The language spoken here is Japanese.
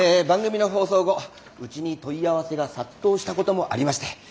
番組の放送後うちに問い合わせが殺到したこともありまして